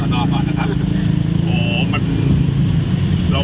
ครับครับครับ